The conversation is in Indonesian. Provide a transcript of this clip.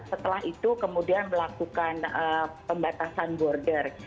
setelah itu kemudian melakukan pembatasan border